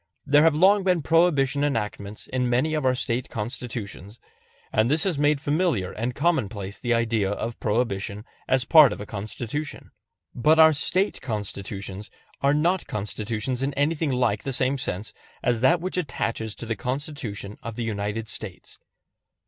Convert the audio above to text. There have long been Prohibition enactments in many of our State Constitutions, and this has made familiar and commonplace the idea of Prohibition as part of a Constitution. But our State Constitutions are not Constitutions in anything like the same sense as that which attaches to the Constitution of the United States.